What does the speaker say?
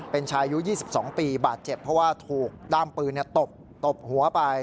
เป็นชายอายุ๒๒ปีบาดเจ็บเพราะว่าถูกด้ามปืนตบหัวไป